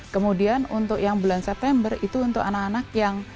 kemudian untuk yang bulan september itu untuk anak anak yang